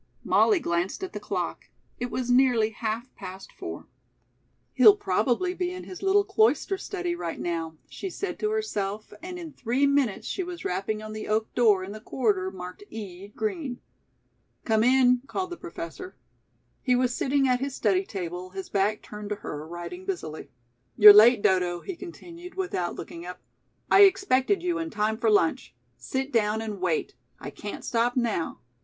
Molly glanced at the clock. It was nearly half past four. "He'll probably be in his little cloister study right now," she said to herself, and in three minutes she was rapping on the oak door in the corridor marked "E. Green." "Come in," called the Professor. He was sitting at his study table, his back turned to her, writing busily. "You're late, Dodo," he continued, without looking up. "I expected you in time for lunch. Sit down and wait. I can't stop now.